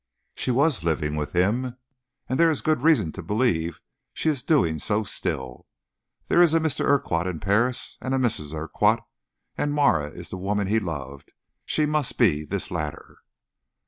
"She was living with him, and there is good reason to believe she is doing so still. There is a Mr. Urquhart in Paris, and a Mrs. Urquhart. As Marah is the woman he loved, she must be this latter."